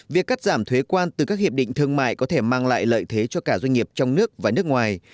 việc cắt giảm thuế quan từ các hiệp định thương mại có thể mang lại lợi thế cho cả doanh nghiệp trong nước và nước ngoài